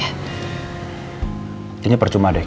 kayaknya percuma deh